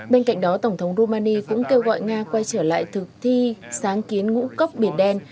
bên cạnh đó tổng thống romani cũng kêu gọi nga quay trở lại thực thi sáng kiến ngũ cốc biển đen